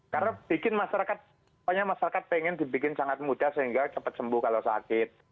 karena bikin masyarakat pokoknya masyarakat pengen dibikin sangat mudah sehingga cepat sembuh kalau sakit